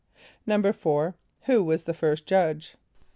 = =4.= Who was the first judge?